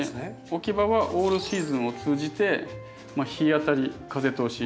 置き場はオールシーズンを通じて日当たり風通し。